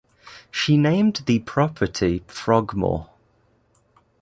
She named the property Frogmore.